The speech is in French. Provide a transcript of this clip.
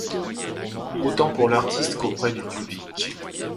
Autant pour l'artiste qu'auprès du public.